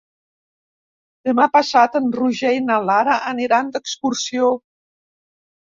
Demà passat en Roger i na Lara aniran d'excursió.